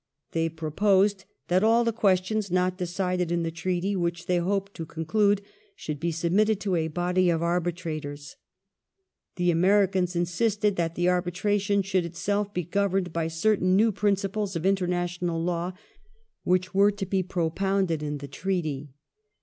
They proposed that all the questions not decided in the Treaty which they hoped to conclude should be submitted to a body of arbitrators. The Americans insisted that the arbitration should itself be governed by certain new principles of international law, which were to be propounded in the Treaty.